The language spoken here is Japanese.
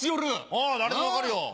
おう誰でも分かるよ。